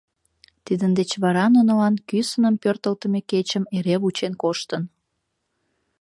Тидын деч вара нунылан кӱсыным пӧртылтымӧ кечым эре вучен коштын.